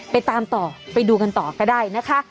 ตามต่อไปดูกันต่อก็ได้นะคะ